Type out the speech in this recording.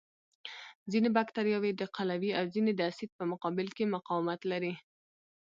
ځینې بکټریاوې د قلوي او ځینې د اسید په مقابل کې مقاومت لري.